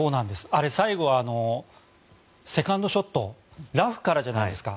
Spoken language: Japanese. あれ、最後はセカンドショットラフからじゃないですか。